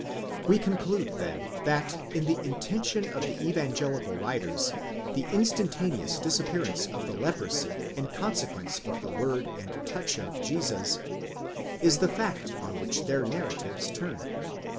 We conclude, then, that in the intention of the evangelical writers the in stantaneous disappearance of the leprosy in consequence of the word and touch of Jesus, is the fact on which their narratives turn.